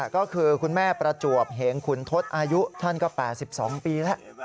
ก็คือคุณแม่ประจวบเหงขุนทศอายุท่านก็๘๒ปีแล้ว